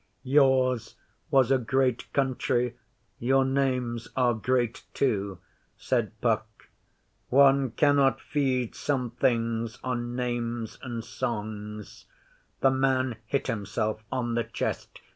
'Yours was a great country. Your names are great too,' said Puck. 'One cannot feed some things on names and songs.' The man hit himself on the chest.